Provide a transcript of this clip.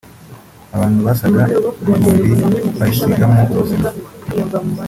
abantu basaga ibihumbi bayisigamo ubuzima